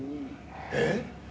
えっ。